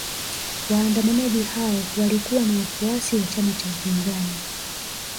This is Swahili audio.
Waandamanaji hao walikuwa ni wafuasi wa chama cha upinzani